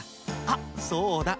あっそうだ！